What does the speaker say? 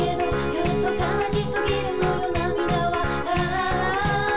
「ちょっと悲しすぎるのよ涙は」